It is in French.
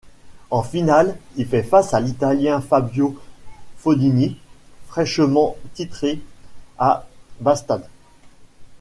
En finale, il fait face à l'Italien Fabio Fognini, fraîchement titré à Båstad.